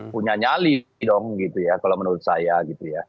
punya nyali dong gitu ya kalau menurut saya gitu ya